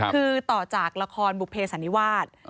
คือต่อจากละครบุภเพศษณีวาส